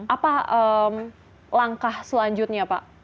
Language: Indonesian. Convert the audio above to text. apa langkah selanjutnya pak